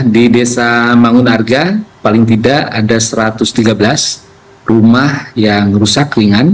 di desa mangunarga paling tidak ada satu ratus tiga belas rumah yang rusak ringan